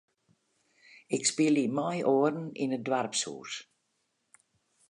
Ik spylje mei oaren yn it doarpshûs.